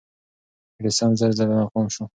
ایډیسن زر ځله ناکام شو.